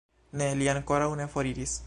Ne, li ankoraŭ ne foriris.